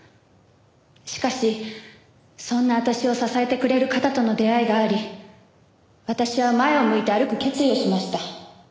しかしそんな私を支えてくれる方との出会いがあり私は前を向いて歩く決意をしました。